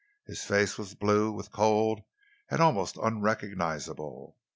His face was blue with cold and almost unrecognisable.